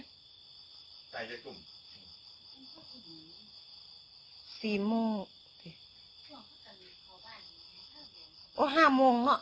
พี่ตุ๊กพี่หมูผ่าเจ้าของมา